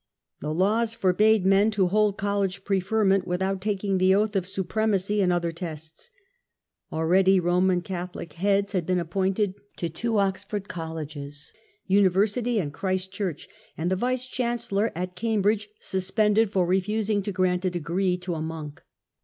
The laws forbade men to hold college preferment without taking the oath of supremacy and other tests. Already Roman Catholic heads had '^ Letter to a Dissenter, 1687. THE SEVEN BISHOPS' PETITION. 95 been appointed to two Oxford colleges, University and Christ Church, and the vice chancellor at Cambridge suspended for refusing to grant a degree to a monk.